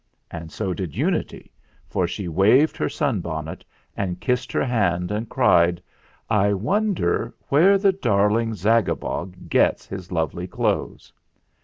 And so did Unity, for she waved her sun bonnet and kissed her hand and cried : "I wonder where the darling Zagabog gets his lovely clothes